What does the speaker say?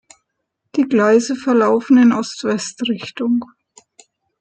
Die Gleise verlaufen in Ost-West-Richtung.